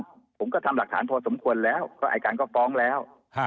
ผมก็ทำหลักฐานพอสมควรแล้วก็อายการก็ฟ้องแล้ว